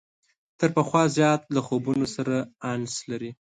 تر پخوا زیات له خوبونو سره انس لري.